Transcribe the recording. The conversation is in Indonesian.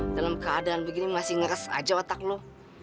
dalam keadaan begini masih ngeres aja otak lo